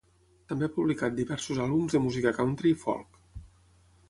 També ha publicat diversos àlbums de música country i folk.